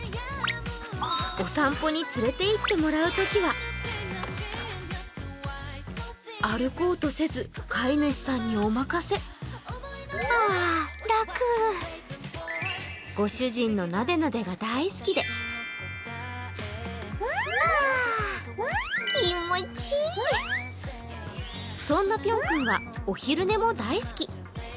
お散歩に連れていってもらうときは歩こうとせず、飼い主さんにお任せご主人のなでなでが大好きでそんなぴょん君は、お昼寝も大好き。